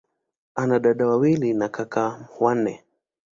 Ana dada wawili na kaka wanne.